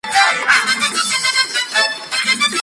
Otro excelente acompañamiento es mani y rodajas de pera.